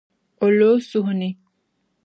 O lo o suhu ni.